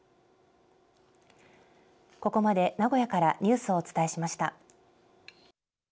ここまで名古屋からニュースをお伝えしました。